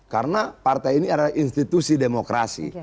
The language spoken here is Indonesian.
karena partai ini adalah institusi demokrasi